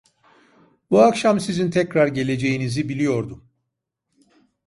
Bu akşam sizin tekrar geleceğinizi biliyordum!